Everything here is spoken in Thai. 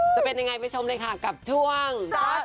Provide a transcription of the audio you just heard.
จะเป็นยังไงไปชมเลยค่ะกับช่วง